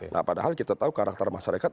nah padahal kita tahu karakter masyarakat